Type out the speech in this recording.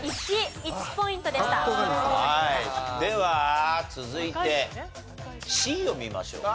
では続いてＣを見ましょうか。